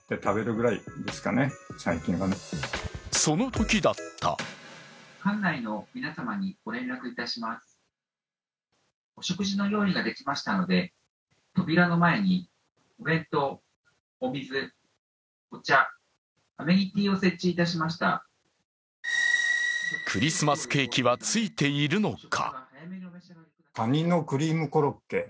そのときだったクリスマスケーキはついているのか？